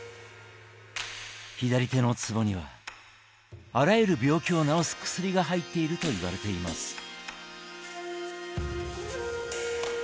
左手のつぼにはあらゆる病気を治す薬が入っているといわれています。